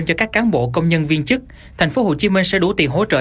cho các cán bộ công nhân viên chức thành phố hồ chí minh sẽ đủ tiền hỗ trợ